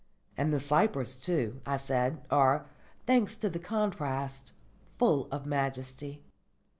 "And the cypress too," I said, "are, thanks to the contrast, full of majesty.